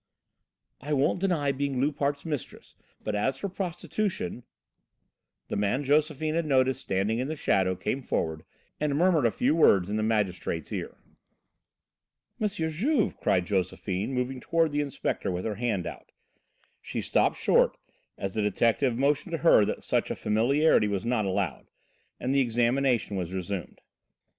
"I won't deny being Loupart's mistress, but as for prostitution " The man Josephine had noticed standing in the shadow came forward and murmured a few words in the magistrate's ear. "M. Juve," cried Josephine, moving toward the inspector with her hand out. She stopped short as the detective motioned to her that such a familiarity was not allowable, and the examination was resumed.